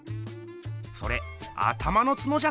「それ頭のツノじゃないか？」